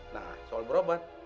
nah soal berobat